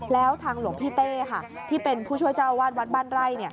แล้วทางหลวงพี่เต้ที่เป็นผู้ช่วยเจ้าวาดวัดบ้านไร่